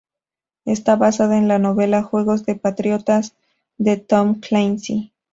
Está basada en la novela "Juegos de patriotas", de Tom Clancy.